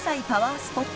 スポット